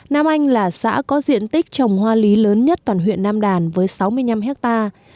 nam anh là xã có diện tích trồng hoa lý lớn nhất toàn huyện nam đàn với sáu mươi năm hectare